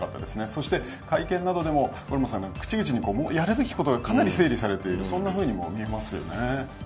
そして会見などでも、五郎丸さん口々にやるべきことがかなり整理されているようにも見えますよね。